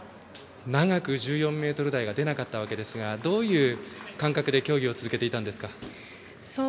長く、１４ｍ台が出なかったわけですがどういう感覚で競技を続けていたんですか。